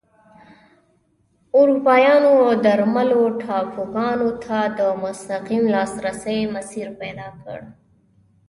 اروپایانو درملو ټاپوګانو ته د مستقیم لاسرسي مسیر پیدا کړ.